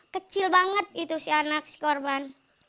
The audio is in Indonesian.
kecil banget itu si anak si korban